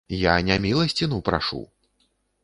Я не міласціну прашу!